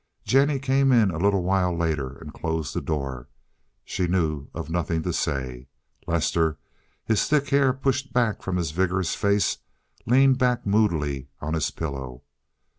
Jennie came in a little while later and closed the door. She knew of nothing to say. Lester, his thick hair pushed back from his vigorous face, leaned back moodily on his pillow.